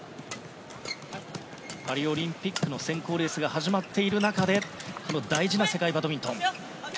パリオリンピックの選考レースが始まっている中でこの大事な世界バドミントン。